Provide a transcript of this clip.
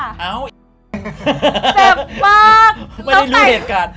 เจ็บมากไม่ได้รู้เหตุการณ์